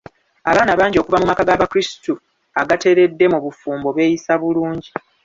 Abaana bangi okuva mu maka ga bakrisito agateredde mu bufumbo beeyisa bulungi.